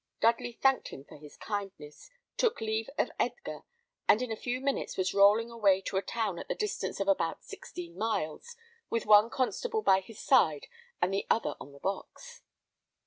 Dudley thanked him for his kindness, took leave of Edgar, and in a few minutes was rolling away to a town at the distance of about sixteen miles, with one constable by his side, and the other on the box.